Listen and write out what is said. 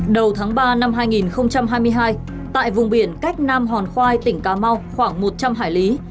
đầu tháng ba năm hai nghìn hai mươi hai tại vùng biển cách nam hòn khoai tỉnh cà mau khoảng một trăm linh hải lý